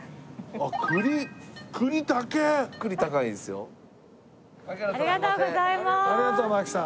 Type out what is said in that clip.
ありがとう槙さん。